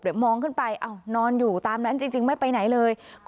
เดี๋ยวมองขึ้นไปนอนอยู่ตามนั้นจริงไม่ไปไหนเลย